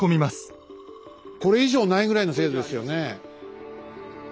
これ以上ないぐらいの精度ですよね。